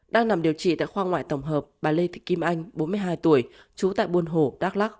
đang nằm điều trị tại khoa ngoại tổng hợp bà lê thị kim anh bốn mươi hai tuổi trú tại buôn hồ đắk lắc